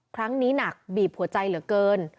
ครั้งนี้หนักบีบหัวใจเหลือเกิน